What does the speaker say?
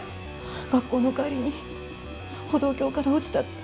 学校の帰りに歩道橋から落ちたって。